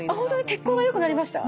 血行がよくなりました？